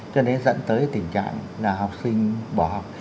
cho nên dẫn tới tình trạng là học sinh bỏ học